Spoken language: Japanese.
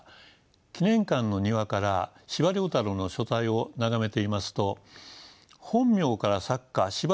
記念館の庭から司馬太郎の書斎を眺めていますと本名から作家司馬